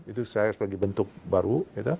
itu saya sebagai bentuk baru